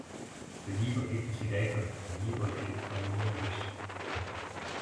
Ce livre est considéré comme une livre-clé en immunologie.